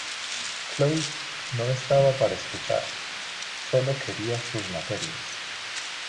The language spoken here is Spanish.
Cloud no estaba para escuchar, solo quería sus materias.